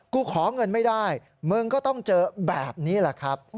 ขอเงินไม่ได้มึงก็ต้องเจอแบบนี้แหละครับ